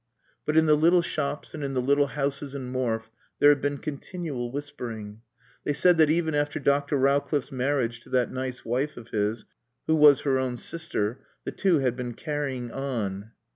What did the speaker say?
But in the little shops and in the little houses in Morfe there had been continual whispering. They said that even after Dr. Rowcliffe's marriage to that nice wife of his, who was her own sister, the two had been carrying on.